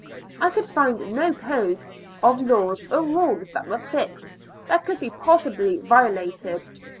I could find no code of laws or rules that were fixed, that could be possibly violated.